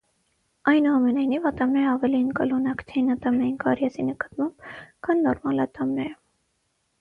Այնուամենայնիվ ատամները ավելի ընկալունակ չեն ատամնային կարիեսի նկատմամբ, քան նորմալ ատամները։